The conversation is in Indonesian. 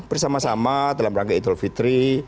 bersama sama dalam rangka idul fitri